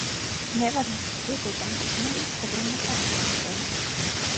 Nevar būt pietiekami uzmanīgs, kad runa par apakšveļu.